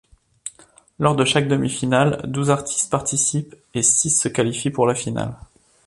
Lors de chaque demi-finale, douze artistes participent et six se qualifient pour la finale.